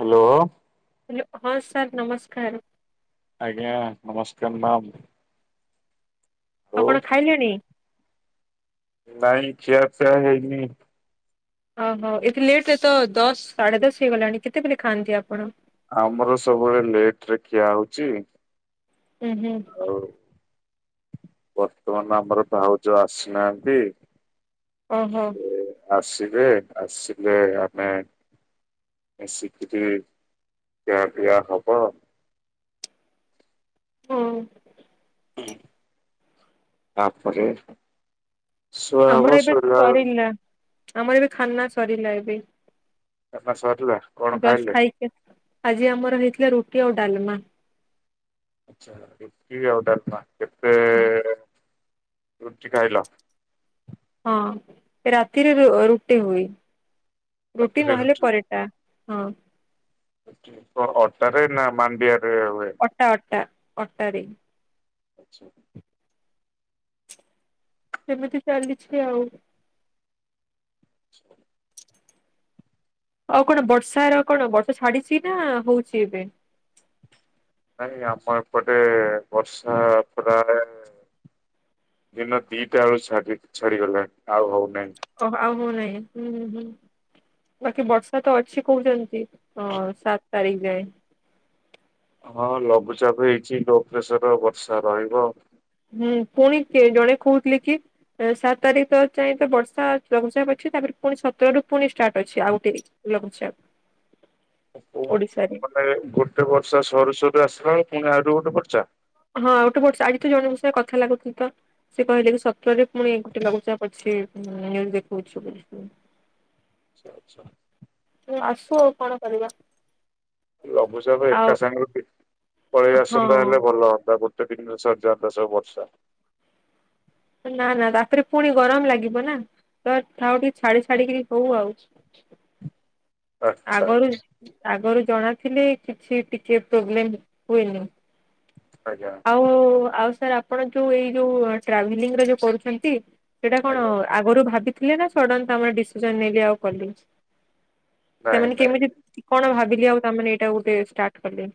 Hello. Hello ହଁ sir ନମସ୍କାର। ଆଜ୍ଞା ନମସ୍କାର ମ୍ୟାମ୍। ଆଉ ଆପଣ ଖାଇଲେଣି? ନାଇଁ ଖିଆ ପିଆ ହେଇନି। ଓହୋ ଏତେ ଲେଟ ରେ ତ ଦଶ ସାଢ଼େ ଦଶ ହେଇଗଲାଣି କେତେବେଳେ ଖାଆନ୍ତି ଆପଣ? ଆମର ସବୁବେଳେ ଲେଟ ରେ ଖିଆ ହଉଛି। ହୁଁ ହୁଁ। ଆଉ ବର୍ତ୍ତମାନ ଆମର ଭାଉଜ ଆସିନାହାନ୍ତି। ଓହୋ। ସେ ଆସିବେ ଆସିଲେ ଆମେ ଆସିକିରି ଦିଆ ଦିଆ ହେବ। ହଁ। ହୁଁ ତାପରେ ଶବ ଆମର ଏବେ [unintelligible] ସରିଲା ଆମର ଏବେ ଖାନା ସରିଲା ଏବେ। ଏବେ ସରିଲା? କଣ ଜଷ୍ଟ ଖାଇଲେ? ଖାଇକି ଆଜି ଆମର ହେଇଥିଲା ରୁଟି ଆଉ ଡାଲମା। ଆଚ୍ଛା ରୁଟି ଆଉ ଡାଲମା କେତେ ରୁଟି ଖାଇଲ? ହଁ ରାତିରେ ର ରୁଟି ହୁଏ ରୁଟି ନହେଲେ ପରେଟା। ହଁ। ରୁଟି ଅଟାରେ ନା ମାଣ୍ଡିଆ ରେ ହୁଏ। ଅଟା ଅଟା ଅଟା ରେ। ଆଛା। ସେମିତି ଚାଲିଛି ଆଉ। ଆଛା ଆଉ କଣ ବର୍ଷାର କଣ ବର୍ଷା ଛାଡିଛି ନା ହଉଛି ଏବେ? ନାଇଁ ଆମ ଏପଟେ ବର୍ଷା [unintelligible] ଦିନ ଦିଟା ବେଳୁ ଛା ଛାଡିଗଲାଣି ଆଉ ହଉନାହିଁ। ଓ ଆଉ ହଉ ନାଇଁ ହୁଁଁ ହୁଁ ବାକି ବର୍ଷା ତ ଅଛି କହୁଛନ୍ତି। ହଁ ସାତ ତାରିଖ ଯାଏ। ହଁ ଲଘୁଚାପ ହେଇଛି ଲୋ ପ୍ରେସର ବର୍ଷା ରହିବ। ହୁଁ ପୁଣି ଜଣେ କହୁଥିଲେ କି ସାତ ତାରିଖ ଯାଏ ତ ବର୍ଷା ଲଘୁଚାପ ଅଛି ତାପରେ ପୁଣି ସତର ରୁ ପୁଣି ଷ୍ଟାର୍ଟ ଅଛି ଆଉ ଗୋଟେ। ଲଘୁଚାପ। ଓଡିଶାରେ ମାନେ ଗୋଟେ ବର୍ଷା ସରୁ ସରୁ ଆସିଲା ବେଳେ ପୁଣି ଆଉ ଗୋଟେ ବର୍ଷା। ହଁ ଆଉ ଗୋଟେ ଵର୍ଷା ଆଜି ତ ଜଣଙ୍କ ସଙ୍ଗ କଥା ଲାଗୁଥିଲ ତ। ସେ କହିଲେ କି ସତରେ ପୁଣି ଗୋଟେ ଲଘୁଚାପ ଅଛି ଦେଖଉଛି। ଆଛା ଆଚ୍ଛା। ତ ଆସୁ ଆଉ କଣ କରିବା। ଲଘୁଚାପ ଏକା ଆଉ ସାଙ୍ଗରେ ପଳେଇ ଆସନ୍ତା ହଁ ହେଲେ ଭଲ ହୁଅନ୍ତା। ତ ତିନି ଦଶ ହଜାର ଦଶ ବର୍ଷ [unintelligible] ନା ନା ତାପରେ ପୁଣି ଗରମ ଲାଗିବ ନା ତ ଆଉ ଟିକେ ଛାଡି ଛାଡିକରି ହଉ ଆଉ ଆଚ୍ଛା ଆଗରୁ ଆଚ୍ଛା ଆଗରୁ ଜଣାଥିଲେ କିଛି ଟିକେ ପ୍ରୋବ୍ଲେମ ହୁଏନି। ଆଜ୍ଞା। ଆଉ ଆଉ ସାର୍ ଆପଣ ଯୋଉ ଏଇ ଯୋଉ ଟ୍ରାଭେଲିଂ ର ଯୋଉ କରୁଛନ୍ତି ସେଇଟା କଣ ଆଜ୍ଞା ଆଗରୁ ଭାବିଥିଲେ ନା ସଡନ ତମର ଡିସିଜନ ନେଇକି ଆଉ କଲି ନାଇଁ ତାମାନେ ନାଇଁ କେମିତି କଣ ଭାବିଲି ଆଉ ତାମାନେ ଏଇଟା ଗୋଟେ ଷ୍ଟାର୍ଟ କଲେ?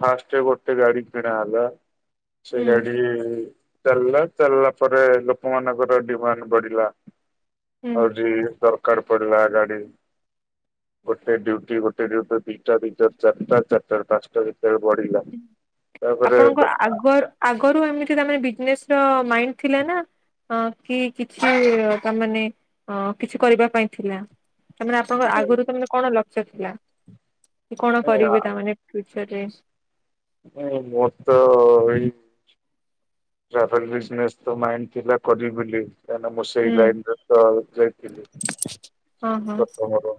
ଫାଷ୍ଟେ ଗୋଟେ ଗାଡି କିଣା ହେଲା ସେ ହୁଁ ଗାଡି ଚାଲିଲା ଚାଲିଲା ପରେ ଲୋକମାନଙ୍କର ଡିମାଣ୍ଡ ବଢିଲା ହୁଁ। ଆଉ ଦରକାର ଦରକାର ପଡ଼ିଲା ଗାଡ଼ି। ଗୋଟେ ଡ୍ୟୁଟି ଗୋଟେ ଡ୍ୟୁଟିରୁ ଦିଟା ଦିଟାରୁ ଚାରିଟା ଚାରିଟାରେ ପାଞ୍ଚଟା ଭିତ ତେଣୁ ବଢିଲା ତାପରେ ଆପଣଙ୍କ ଆଗ ଆଗରୁ ଏମିତି ବିଜନେସ ର ମାଇଣ୍ଡ ଥିଲା ନା? ଅ କି କିଛି ତାମାନେ ଅ କିଛି କରିବା ପାଇଁ ଥିଲା। ତାମାନେ ଆପଣଙ୍କ ଆଗରୁ ତ ମାନେ କଣ ଲକ୍ଷ୍ୟ ଥିଲା କି କଣ କରିବି ମାନେ ତାମାନେ ଫ୍ୟୁଚରରେ? ନାଇଁ ମୁଁ ତ ଏଇ ଟ୍ରାଭେଲ ବିଜନେସ ତ ମାଇଣ୍ଡ ଥିଲା କରିବି ବୋଲି କ ମୁଁ ସେଇ ହୁଁ ଲାଇନରେ ଯାଇଥିଲି। ହଁ ହଁ। ପ୍ରଥମରୁ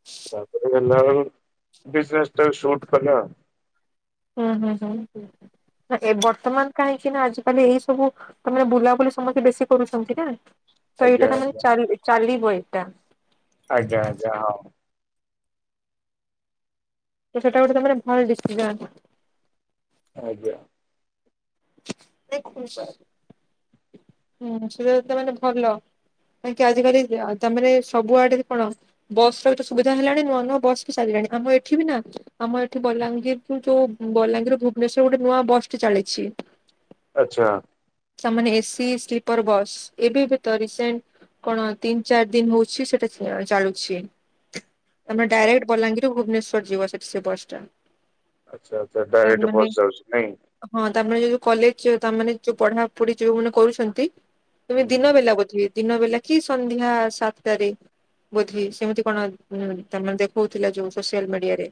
ହଁ ତାପରେ ହେଲାବେଳକୁ ବିଜନେସ୍ ଟା ଶୂଟ କଲା। ହୁଁ ହୁଁ ହୁଁ ଏ ବର୍ତ୍ତମାନ କାହିଁକି ନା ଆଜି ତାହେଲେ ଏଇ ସବୁ ତମାନେେ ବୁଲାବୁଲି ସମସ୍ତେ ବେଶୀ କରୁଛନ୍ତି ନା ତ ଆଜ୍ଞା ଏଇଟା ତମାନେେ ଆଜ୍ଞା ଚାରିବେ। ଚାଲିବ ଏଇଟା। ଆଜ୍ଞା ଆଜ୍ଞା ହଁ। ତ ସେଇଟା ଗୋଟେ ତମର ଭଲ ଡିସିସନ। ଆଜ୍ଞା। ଦେଖନ୍ତୁ ସାର। ହୁଁ ସେଟା ତ ମାନେ ଭଲ କାହିଁକି ଆଜିିକାଲି ତାମାନେ ସବୁଆଡେ କଣ? ବସର ଏତେ ସୁବିଧା ହେଲାଣି ନୂଆ ନୂଆ ବସ୍ ବି ଚାଲିଲାଣି ଆମ ଏଠି ବି ନା ଆମ ଏଠି ବଲାଙ୍ଗୀର କି ଯୋଉ ବଲାଙ୍ଗୀର ଭୁବନେଶ୍ଵର ଗୋଟେ ନୂଆ ବସ୍ ଟି ଚାଲିଛି। ଆଚଛା। ତାମାନେ ଏସି ସ୍ଲିପର ବସ୍ ଏବେ ବି ତ ରିସେଣ୍ଟ କଣ ତିନି ଚାରି ଦିନ ହଉଛି ସେଟା ଚାଲୁଛି। ତମେ ଆଚ୍ଛା। ଡାଇରେକ୍ଟ ବଲାଙ୍ଗୀରରୁ ଭୁବନେଶ୍ଵର ଯିବ ସେଠି ସେ ବସଟା। ଆଚ୍ଛା ଆଚ୍ଛା ତା ଏଠୁ ବସ ଯାଉଛି ନାଇଁ। ହଁ ତାମାନେ ଯୋଉ କଲେଜ ତାମାନେ ଯୋଉ ପଢାପଢି ଯୋଉମାନେ କରୁଛନ୍ତି? ତୁମେ ହୁଁ। ଦିନ ବେଲା ବୋଧେ ବି ଦିନ ବେଲା କି ସନ୍ଧ୍ୟା ସାତଟାରେ? ଵୋଧେ ସେମିତି କଣ ତାମାନେ ଦେଖଉଥିଲା ଯୋଉ ସୋସିଆଲ ମିଡିଆରେ?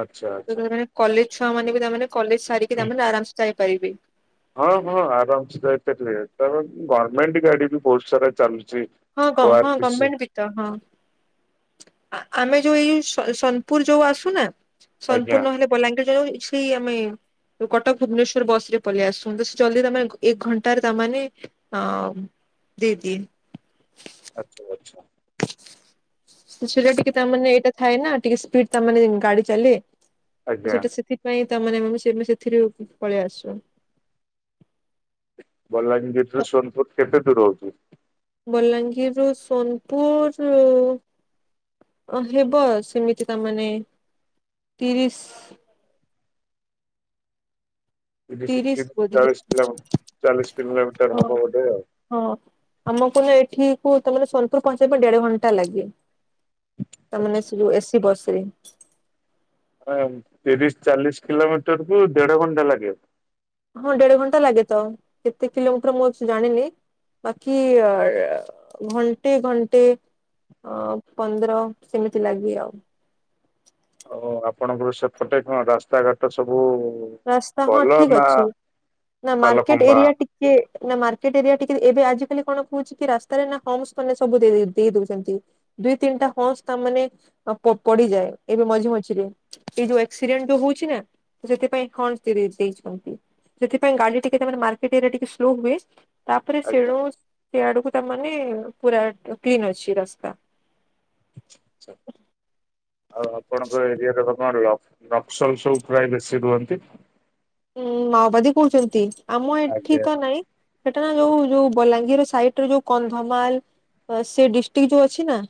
ଆଚ୍ଛା ଆଚ୍ଛା। କଲେଜ ଛୁଆ ମାନେ ବି ତାମାନେ କଲେଜ ସାରିକି ତାମାନେ ଆରାମସ ଯାଇପାରିବେ? ହଁ ହଁ ଆରାମସେ ଯାଇପାରିବେ ତ ଗମେଣ୍ଟ ଗାଡି ବି ବହୁତ ସାରା ଚାଲୁଛି। ହଁ ଓ ଆର ହଁ ଟି ସି ଗମେଣ୍ଟ ବି ତ ହଁ ଆମେ ଯୋଉ ଏଇ ଯୋଉ ସୋନପୁର ଯୋଉ ଆସୁନା ଆଜ୍ଞା ସୋନପୁର ନହେଲେ ବଲାଙ୍ଗୀର ସେଇ ଆମେ କଟକ ଭୁବନେଶ୍ଵର ବସ ରେ ପଳେଇ ଆସୁନ୍ତୁ ସେ ଜଲଦି ତେ ଏକ ଘଣ୍ଟାରେ ତାନେ ହ ଦିଦି। ଆଚ୍ଛା ଆଚ୍ଛା। [inaudible] ଶୁ ସିରେ ଟିକେ ତାମାନେେ ଏଇଟା ଥାଏ ନା ଟିକେ ସ୍ପିଡ ତାମାନେେ ଗାଡି ଚାଲେ ତ ଆଜ୍ଞା। ସେଟା ସେଟି ପାଇଁ ତାମାନେ ମୁ ସେ ମୁ ସେ ସେଥିରୁ ବି ପଳେଇ ଆସିବ। ତ ବଲାଙ୍ଗୀରରୁ ସୋନପୁର କେତେ ଦୂର ହୋଉଚି। ବଲାଙ୍ଗୀରରୁୁ ସୋନପୁର ଅ ହେବ ସେମିତି ତାମାନେେ ତିରିସି [unintelligible] ତିରିଶ ବୋଧେ କିଲୋମିଟର ହଁ ହବ ଗୋଟେ ଆଉ। ହଁ ଆମକୁ ହିଁ ଏଠିକୁ ତମର ସୋନପୁର ପହଞ୍ଚେଇ ପାଇଁ ଦେଢ ଘଣ୍ଟା ଲାଗେ। ତାମାନେ ଆଚ୍ଛା। ସେ ଯୋଉ ଏସି ବସ ରେ। ହାଁ ତିରିଶ ଚାଳିଶ କିଲୋମିଟର କୁ ଦେଢ ଘଣ୍ଟା ଲାଗିବ। ହଁ ଦେଢ ଘଣ୍ଟା ଲାଗେ ତ କେତେ କିଲୋମିଟର ମୁଁ ଅଛେ ଜାଣିନି। ବାକି ଅ ଘଣ୍ଟେ ଘଣ୍ଟେ ଅ ପନ୍ଦର ସେମିତି ଲାଗେ ଆଉ। ଓ ଆପଣଙ୍କର ସେପଟେ କଣ ରାସ୍ତାଘାଟ ସବୁ ରାସ୍ତା ହଁ ଭଲ ଠିକ ନା ଅଛି ନା ଖାଲ ମାର୍କେଟ ଖମ୍ବା ଏରିଆ ଟିକେ କେ ନା ମାର୍କେଟ ଏରିଆ ଟିକେ ଏବେ ଆଜିକାଲି କଣ ହଉଛି କି ରାସ୍ତାରେ ନା ହମସ୍ ମାନେ ସବୁ ଦେ ଦେ ଦେଇ ଦଉଛନ୍ତି। ଦୁଇ ତିନିଟା ହଂସ୍ ତା ମାନେ ଅ ପ ପଡିଯାଏ ଏବେ ମଝି ମଝିରେ ଏଇ ଯୋଉ ଆକ୍ସିଡେଣ୍ଟ ଯୋଉ ହଉଛି ନା ସେଥିପାଇଁ ହମ୍ସ ଦେଇ ଦେ ଇଛନ୍ତି ସେଥିପାଇଁ ଗାଡି ଟିକେ ମାର୍କେଟ ଏରିଆ ରେ ଟିକେ ସ୍ଲୋ ହୁଏ। ତାପରେ ଆଜ୍ଞା ସେଣୁ ସିଆଡକୁ ତା ମାନେ ପୁରା କ କ୍ଲିନ ଅଛି ରାସ୍ତା। [inaudible] ଆଉ ଆପଣଙ୍କର ଏରିଆର କଣ ନକ୍ସଲ ସବୁ ପ୍ରାୟ ବେଶୀ ରୁହନ୍ତି। ଉଁ ମାଓବାଦୀ କହୁଛନ୍ତି ଆମ ଏଠି ଆଜ୍ଞା ତ ନାଇଁ। ସେଟା ନା ଯୋଉ ଯୋଉ ବଲାଙ୍ଗୀରର ସାଇଟରେ ଯୋଉ କନ୍ଧମାଲ ଅ ସେ ଡିଷ୍ଟିକ ଯୋଉ ଅଛି ନା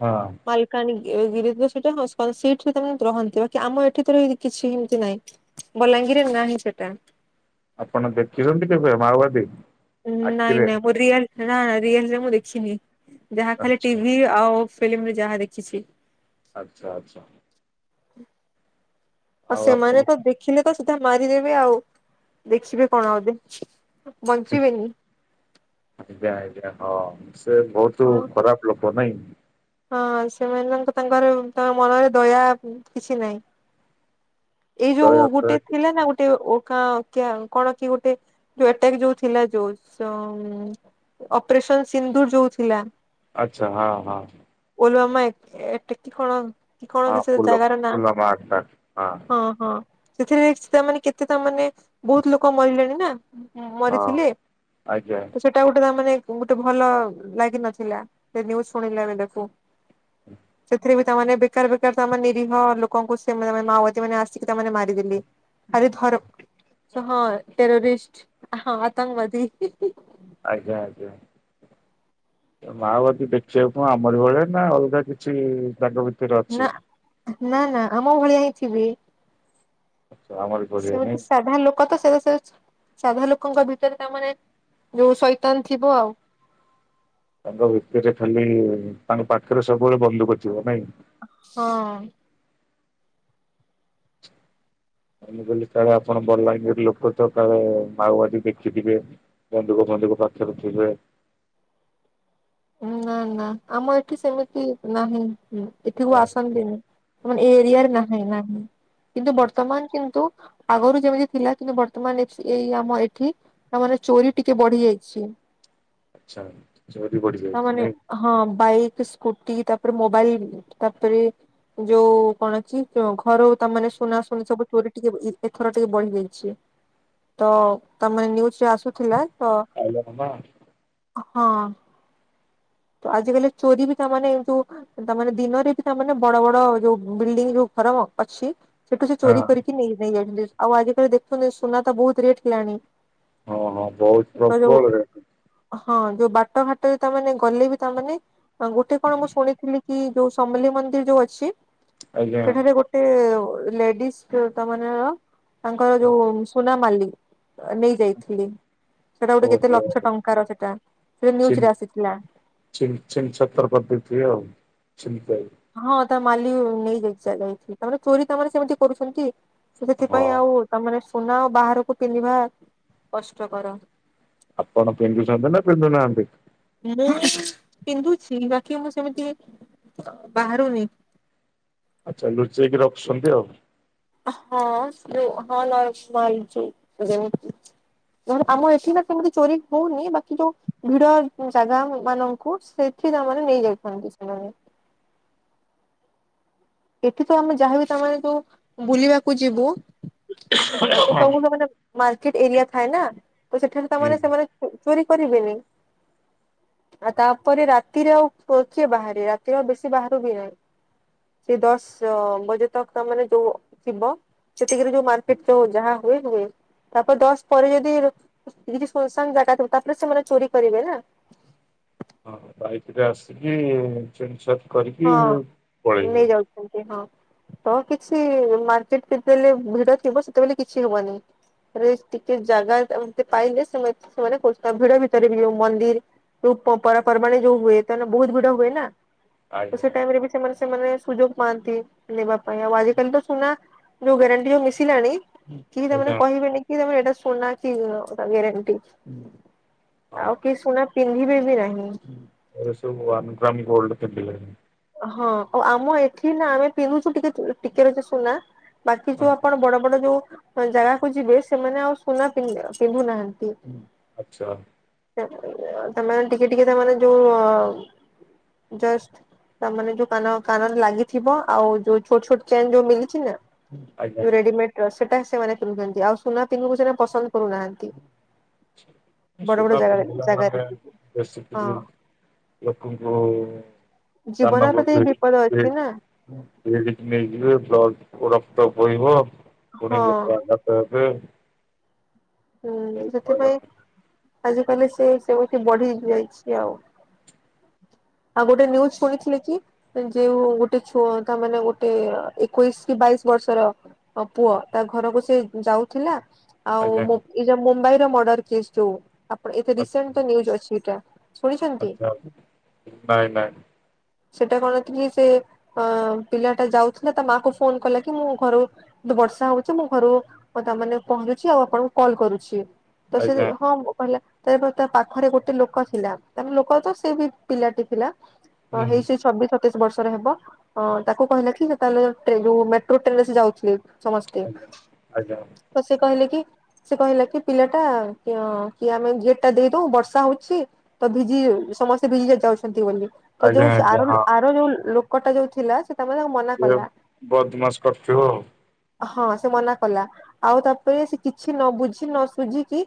ହଁ। ମାଲକାନ ଗି ଗିରି ତ ସେଟା ହଁ ସ ସେଇଠିରେ ତା ରହନ୍ତି ବାକି ଆମ ଏଠି ତରେ କିଛି ହିଁ ଏମିତି ନାହିଁ। ବଲାଙ୍ଗିରି ରେ ନାହିଁ ସେଟା। ଆପଣ ଦେଖିଛନ୍ତି କେବେ ମାଓବାଦୀ? ଉଁ ନାଇଁ ଆଖିରେ? ନାଇଁ ମୁଁ ରିଅଲ ନା ରିଏଲରେ ମୁଁ ଦେଖିନି ଯାହା ଖାଲି ଆଚ୍ଛା ଟିଭି ଆଉ ଫିଲ୍ମରେ ଯାହା ଦେଖିଛି। ଆଚ୍ଛା ଆଚ୍ଛା। ଆଉ ସେମାନେ ତ ଦେଖିଲେ ତ ସିଧା ମାରିଦେବେ ଆଉ ଦେଖିବେ କଣ ଆଉ ଯେ। ବଞ୍ଚିବେନି। ଆଜ୍ଞା ଆଜ୍ଞା ହଁ ସେ ବୋହୁତୁ ହଁ ଖରାପ ଲୋକ ନାଇଁ। ହଁ ସେମାନଙ୍କ ତାଙ୍କର ତାଙ୍କ ମନରେ ଦୟା ଉଁ କିଛି ନାହିଁ। ଏଇ ଯୋଉ ଦୟାଦୟା ଗୋଟେ କିଛି ଥିଲା ନା ନାହିଁ। ଗୋଟେ ଓ ଖା କ୍ୟା କଣ କି ଗୋଟେ ଯୋଉଟାକି ଯୋଉ ଥିଲା ଯୋଉ ତ ଉଁ ଅପରେସନ ସିନ୍ଦୁର ଯୋଉ ଥିଲା। ଆଚ୍ଛା ହଁ ହଁ। ପୁଲୁଆମା ଏକ୍ ଏଟକ୍ କି କଣ କଣ ହଁ କିଛି ସେ ଫୁଲ ଜାଗାର ନାଁ ଫୁଲ ମାର୍କ ଟା ହଁ ହଁ। ସେଥିରେ ତା ମାନେ କେତେ ତା ମାନେ ବହୁତ ଲୋକ ମରିଲେଣି ନା। ଉଁ ହଁ ମରିଥିଲେ ଆଜ୍ଞା ତ ସେଟ ଏଟା ଗୋଟେ ତା ମାନେ ଗୋଟେ ଭଲ ଲାଗିିନଥିଲା ସେ ନ୍ୟୁଜ୍ ଶୁଣିଲା ବେଳକୁ। ସେଥିରେ ବି ତାମାନେ ବେ ବେକାର ବେକାର ତ ଆମ ନିରୀହ ଲୋକଙ୍କୁ ସେମାନେ ମାଓବାଦୀ ମାନେ ଆସିକି ତାମାନେ ମାରିଦେଲି। ଆରେ ଧର ହଁ ଟେରରିଷ୍ଟ ହଁ ଆତଙ୍କବାଦୀ। ଆଜ୍ଞା ଆଜ୍ଞା। ମାଓବାଦୀ ଦେଖିବାକୁ ଆମରି ଭଳିଆ ନା ଅଲଗା କିଛି ତାଙ୍କ ଭି ନା। ନା ନା ଆମ ଭଳିଆ ହିଁ ଥିବେ। ଆଚ୍ଛା ଆମରି ଭଳିଆ ନାଇଁ ସେମିତି ସାଧା ଲୋକ ତ [unintelligible] ସାଧା ଲୋକଙ୍କ ଭିତରେ ତାମାନେ ଯୋଉ ସୈତାନ ଥିବ ଆଉ। ତାଙ୍କ ଭିତରେ ଖାଲି ତାଙ୍କ ପାଖରେ ସବୁବେଳେ ବନ୍ଧୁକ ଥିବ ନାଇଁ। ହଁ। ମୁଁ କହିଲି କାଳେ ଆପଣ ବଲାଙ୍ଗୀର ଲୋକ ତ କାଳେ ମାଓବାଦୀ ଦେଖିଥିବେ। ବନ୍ଧୁକ ଫନ୍ଧୁକ ପାଖରେ ଥିବେ। ନା ନା। ଆମ ଏଠି ସେମିତି ନାହିଁ। ଏଠିକୁ ହଉ। ଆସନ୍ତିନି। ଏ ଏରିଆରେ ନାହିଁ ନାହିଁ। କିନ୍ତୁ ବର୍ତ୍ତମାନ କିନ୍ତୁ ଆଗରୁ ଯେମିତି ଥିଲା କିନ୍ତୁ ବର୍ତ୍ତମାନ ଏଇ ଆମ ଏଠି ଆମର ଚୋରି ଟିକେ ବଢିଯାଇଚି। ଆଚ୍ଛା। ଚୋରି ବଢିଯାଇଚି ତାମାନେ ନାଇଁ। ହଁ। ବାଇକ୍, ସ୍କୁଟି ତାପରେ ମୋବାଇଲ ତାପରେ ଯୋଉ କଣ କି ଘରୁ ତା ମାନେ ସୁନା ସୁନି ସବୁ ଚୋରି ଟିକେ ଏଥର ଟିକେ ବଢିଯାଇଚି। ତ ତାମାନେ ନିୟୁଜ୍ ରେ ଆସୁଥିଲା ତ ଆଇଲା ମାମା ହଁ। ତ ଆଜିକାଲି ଚୋରି ବି ତାମାନେ। [unintelligible] ତା ମାନେ ଦିନରେ ବି ତାମାନେ ବଡ ବଡ ଯୋଉ ବିଲଡିଂ ଯୋଉ ଘର ମ ଅଛି ସେଠୁ ସେ ଚୋରି ହଁ କରିକି ନେଇ ନେଇ ଯାଉଛନ୍ତି। ଆଉ ଆଜିିକାଲି ଦେଖୁଛନ୍ତି ସୁନା ତ ବହୁତ ରେଟ୍ ହେଲାଣି। ହଁ ହଁ ବହୁତ ତ ଯୋଉ ପ୍ରବଳ ରେ ହଁ। ଯୋଉ ବାଟ ଘାଟରେ ତାମାନେ ଗଲେ ବି ତାମାନେ ହଁ ଗୁଟେ କଣ ମୁଁ ଶୁଣିଥିଲି କି ଯୋଉ ସମଲେଇ ମନ୍ଦିର୍ ଯୋଉ ଅଛି ଆଜ୍ଞା। ସେଠାରେ ଗୋଟେ ଲେଡିଜ୍। [unintelligible] ତାଙ୍କର ଯୋଉ ସୁନା ମାଲି ନେଇ ଯାଇଥିଲେ। ସେଟା ଗୋଟେ କେତେ ଓହୋ ଲକ୍ଷ ଟଙ୍କାର ସେଟା। ସେଟା ନିଉଜ୍ ରେ ଆସିଥିଲା। ଛୀନ୍ ଛୀନ୍ ଛତ୍ର କରି ଦେଇଥିବେ ଆଉ। [unintelligible] ହଁ ତା ମାଲି [unintelligible] ଯାଇଥିଲେ। ତା ମାନେ ଚୋରି ତା ମାନେ ସେମିତି କରୁଛନ୍ତି। ତ ହଁ ସେଥିପାଇଁ ଆଉ ତାମାନେ ସୁନା ଆଉ ବାହାରକୁ ପିନ୍ଧିବା କଷ୍ଟ କର। ଆପଣ ପିନ୍ଧୁଚନ୍ତି ନା ପିନ୍ଧୁନାହାନ୍ତି? ମୁଁ ପିନ୍ଧୁଛି। ବାକି ମୁଁ ସେମିତି ବାହାରୁନି। ଆଚ୍ଛା, ଲୁଚେଇକି ରଖୁଛନ୍ତି ଆଉ। ହଁ [unintelligible] ଆମ ଏଠି ନା ସେମିତି ଚୋରି ହଉନି। ବାକି ଯୋଉ ଭିଡ ଜାଗା ମାନଙ୍କୁ ସେଠି ତାମାନେ ନେଇ ଯାଇଥାନ୍ତି ସେମାନେ। ଏଠି ତ ଆମେ ଯାହାବି ତାମାନେ ଯୋଉ ବୁଲିବାକୁ ଯିବୁ ତ ସବୁ ସେମାନେ ମାର୍କେଟ ଏରିଆ ଥାଏ ନା, ତ ସେଠାରେ ହୁଁ। ତାମାନେ ସେମାନେ ଚୋରି କରିବେନି। ଆ ତାପରେ ରାତିରେ ଆଉ କିଏ ବାହାରେ ରାତିରେ ଆଉ ବେଶୀ ବାହାରୁ ବି ନାହିଁ। ସେ ଦଶ ବଜେ ତକ ମାନେ ଯୋଉ ଥିବ ସେତିକି ରେ ଯୋଉ ମାର୍କେଟ ଥିବ ଯାହା [unintelligible] ହୁଏ ତାପରେ ଦଶ ପରେ ଯଦି ସେଇଠି ଶୂନଶାନ ଜାଗା ଥିବ ତାପରେ ସେମାନେ ଚୋରି କରିବେ ନା। ହଁ ବାଇକିରେ ଆସିକି ଛେଡ଼ଛାଡ଼ କରିକି ପଳେଇବେ। ଏମିତି ହଁ ତ କିଛି ମାର୍କେଟ ଯେତେବେଲେ ଭିଡ ଥିବ ସେତେବେଳେ କିଛି ହବନି। ଖାଲି ଇସ୍‌ ଟିକେ ଜାଗା ଏମିତ ପାଇଲେ ସେ ସେମାନେ [unintelligible] ଭିଡ ଭିତରେ ବି ଯୋଉ ମନ୍ଦିର। ଯୋଉ ପବ ପରପର୍ବାଣୀ ଯୋଉ ହୁଏ ତାହେନେ ବହୁତ୍ ଭିଡ଼ ହୁଏ ନା। ତ ଆଜ୍ଞା ସେ ଟାଇମରେ ବି ସେମାନେ ସେମାନେ ସୁଯୋଗ ପାଆନ୍ତି ନେବା ପାଇଁ ଆଉ ଆଜିକାଲି ତ ସୁନା ଯଉ ଗ୍ୟାରେଣ୍ଟି ମିଶିଲାଣି। କି ତାମାନେ ଆଜ୍ଞା କହିବେନି କି ତମେ ଏଇଟା ଶୁନା କି ଗିଳ ତା ଗ୍ୟାରେଣ୍ଟି। ହଁ ଆଉ କେଇ ଶୁନା ପିନ୍ଧିବେ ବି ନାହିଁ। ଏ ସବୁ ଉଆନ୍‌ ଗ୍ରାମ ଗୋଲ୍ଡ ପିନ୍ଧିଲେଣି। ହଁ ତ ଆମ ଏଠି ନା ଆମେ ପିନ୍ଧୁଛୁ ଟିକେ ଟିକେ ବେଶୀ ସୁନା। ବାକି ଯୋଉ ହଁ ଆପଣ ବଡ ବଡ ଯୋଉ ଜାଗାକୁ ଯିବେ ସେମାନେ ଆଉ ସୁନା ପି ପିନ୍ଧୁନାହାନ୍ତି। ଆଚ୍ଛା। ତମେ ମାନେ ଟିକେ ଟିକେ ତା ମାନେ ଯୋଉ ଜଷ୍ଟ ତାମାନେ ଯୋଉ କାନ କାନରେ ଲାଗିଥିବ ଆଉ ଯୋଉ ଛୋଟ ଛୋଟ ଚେନ୍ ଯୋଉ ମିଳୁଛି ନା। ଆଜ୍ଞା ଯୋଉ ରେଡିମେଡି ର ସେଟା ସେମାନେ ପିନ୍ଧୁଛନ୍ତି ଆଉ ସୁନା ପିନ୍ଧୁ ବୁ ସେରା ପସନ୍ଦ କରୁନାହାନ୍ତି। ବଡ ବଡ ସୁନା ଜାଗାରେ ପିନ୍ଧିଲା ଜାଗାରେ ମାନେ ହଁ ବେସିକିରି ଲୋକଙ୍କୁ ଜୀବନ କାନକୁ ପ୍ରତି [unintelligible] ବିପଦ ଅଛି ନା ଭିଡିକି ନେଇଯିବେ ବ୍ଲଡ ଖୋ ରକ୍ତ ବୋହିବ ହଁ। ଫୁଣି ଲୋକ ଆ [unintelligible] ତା ପଏ। ହୁଁ ସେଥିପାଇଁ ହଇରାଣ ଆଜି କାଲି ସେଇ ସେମିତି ବଢିଇଦିଆ ହେଇଚି ଆଉ। ଆଉ ଗୋଟେ ନିୟୁଜ ଶୁଣିଥିଲି କି? ଯେଉ ଗୋଟେ ଛୁଆ ତା ମାନେ ଗୋଟେ ଆ ଏକୋଇଶି କି ବାଇଶି ବର୍ଷର ଅ ପୁଅ ତା ଘରକୁ ସେ ଯାଉଥିଲା ଆଉ ଆଜ୍ଞା ମୁ ଏଯାଉ ମୁମ୍ବାଇ ର ମର୍ଡର କେସ୍ ଯୋଉ ଆପ୍ ରେ ଏ ସେ ଆଚ୍ଛା ରିସେଣ୍ଟ ନିୟୁଜ ଅଛି ଏଟା। ଆଚ୍ଛା ନାଇଁ ନାଇଁ। ସେଟା କଣ ଥିଲି ସେ ଅ ପିଲାଟା ଯାଉଥିଲା ତା ମା କୁ ଫୋନ୍‌ କଲା କି ମୁଁ ଘରୁ ବର୍ଷା ହଉଛି ମୁ ଘରୁ ତା ମାନେ ପହଞ୍ଚୁଛି ଆଉ ଆପଣଙ୍କୁ କଲ୍ କରୁଛି। ତ ସେ ଯେ ଆଜ୍ଞା ହଁ। କହିଲା ତା ତା ପାଖରେ ଗୋଟେ ଲୋକ ଥିଲା ତା ଲୋକ ତ ସେ ବି ପିଲାଟି ଥିଲା। ହଁ ହୁଁ ହେଇ ସେଇ ଛବିଶ ସତ୍ ସତେଇଶ ବର୍ଷର ହେବ ଅ ତାକୁ କହିଲା କି ସେ ତାହେଲେ ଟ୍ରେ ଯୋଉ ମେଟ୍ରୋ ଟ୍ରେନ ରେ ସେ ଯାଉଥିଲେ। ସମସ୍ତେ ଆଜ୍ଞା ଆଜ୍ଞା ତ ସେ କହିଲେ କି? ସେ କହିଲା କି ପିଲାଟା କି କି ଆମେ ଗେଟ ଟା ଦେଇଦଉ ବର୍ଷା ହଉଛି ତ ଭିଜି ସମସ୍ତେ ଭିଜି ଯାଉଛନ୍ତି ବୋଲି। ତ ଆଜ୍ଞା ଯୋଉ ସେ ଆଜ୍ଞା ଆର ହଁ। ଆର ଯୋଉ ଲୋକଟା ଯୋଉ ଥିଲା ସେ ତାମାନେ ତାକୁ ମନା ସେ କଲା ବଦମାସ କରୁଥିବ ଆଉ। ହଁ ସେ ମନା କଲା ଆଉ ତାପରେ ସେ କିଛି ନ ବୁଝି ନ ସୁୁଝିକି